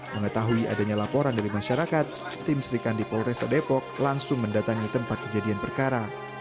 mengetahui adanya laporan dari masyarakat tim serikandi polresta depok langsung mendatangi tempat kejadian perkara